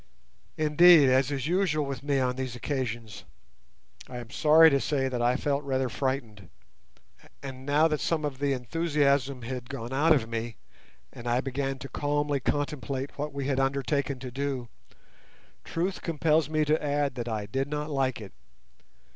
Indeed, as is usual with me on these occasions, I am sorry to say that I felt rather frightened; and, now that some of the enthusiasm had gone out of me, and I began to calmly contemplate what we had undertaken to do, truth compels me to add that I did not like it.